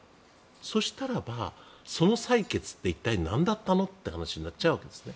そうしたらば、その採決って一体なんだったのってなっちゃうわけですね。